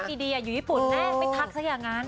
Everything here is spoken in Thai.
อยู่ไทยก็ทักอีดี้อยู่ญี่ปุ่นแน่ไม่ทักซะอย่างงั้น